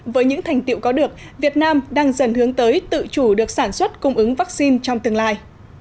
với những thành tiệu có được việt nam đang dần hướng tới tự chủ được sản xuất cung ứng vaccine trong tương lai